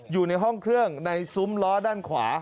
อยู่ในห้องเครื่องในซุ้มล้อด้านขวา